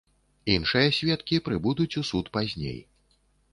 Іншыя сведкі прыбудуць у суд пазней.